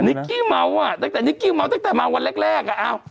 นิกกี้เมาส์อ่ะนิกกี้เมาส์ตั้งแต่มาวันแรกอ่ะ